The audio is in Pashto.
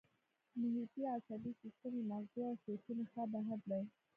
محیطي عصبي سیستم له مغزو او شوکي نخاع بهر دی